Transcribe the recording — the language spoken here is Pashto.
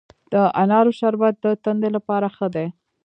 د انارو شربت د تندې لپاره ښه دی.